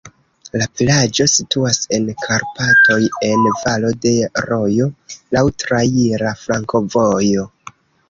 La vilaĝo situas en Karpatoj en valo de rojo, laŭ traira flankovojo.